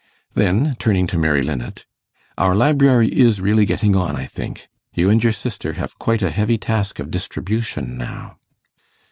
Then, turning to Mary Linnet: 'Our library is really getting on, I think. You and your sister have quite a heavy task of distribution now.